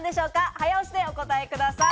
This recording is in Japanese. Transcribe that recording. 早押しでお答えください。